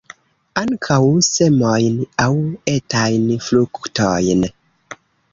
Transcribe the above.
Ankaŭ semojn aŭ etajn fruktojn.